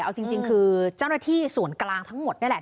เอาจริงคือเจ้าหน้าที่ส่วนกลางทั้งหมดนี่แหละ